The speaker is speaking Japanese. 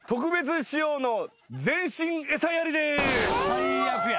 最悪や。